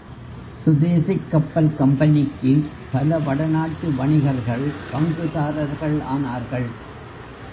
சுதேசிக் கப்பல் கம்பெனிக்கு பல வட நாட்டு வணிகர்கள் பங்குதாரர்கள் ஆனார்கள்.